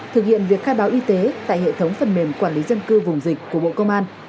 thực hiện việc khai báo y tế tại hệ thống phần mềm quản lý dân cư vùng dịch của bộ công an